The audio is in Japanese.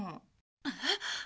えっ。